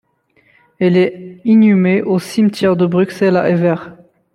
Elle est inhumée au Cimetière de Bruxelles à Evere.